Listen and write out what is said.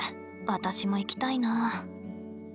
私も行きたいな。